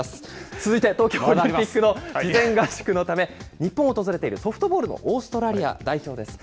続いて東京オリンピックの事前合宿のため、日本を訪れているソフトボールのオーストラリア代表です。